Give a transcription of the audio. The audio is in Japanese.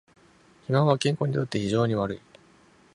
肥満は健康にとって非常に悪い